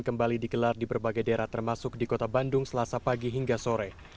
kembali dikelar di berbagai daerah termasuk di kota bandung selasa pagi hingga sore